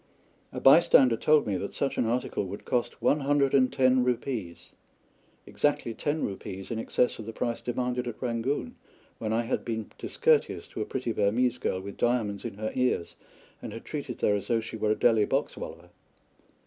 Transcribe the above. A bystander told me that such an article would cost one hundred and ten rupees exactly ten rupees in excess of the price demanded at Rangoon, when I had been discourteous to a pretty Burmese girl with diamonds in her ears, and had treated her as though she were a Delhi boxwallah.